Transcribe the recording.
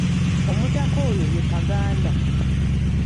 Omutaka oyo ye Kaganda.